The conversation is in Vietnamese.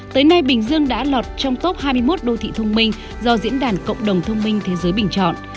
tới nay bình dương đã lọt trong top hai mươi một đô thị thông minh do diễn đàn cộng đồng thông minh thế giới bình chọn